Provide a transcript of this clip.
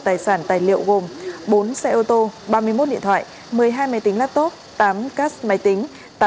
tài sản tài liệu gồm bốn xe ô tô ba mươi một điện thoại một mươi hai máy tính laptop tám cas máy tính